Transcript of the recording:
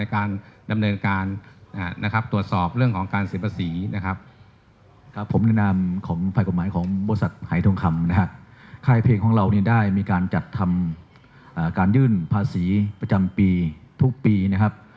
ค่ายเพลงค่ายเพลงของเราเนี่ยได้มีการจัดทำการยื่นภาษีประจำปีทุกปีนะครับ